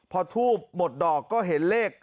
พอทูบหมดดอกก็เห็นเลข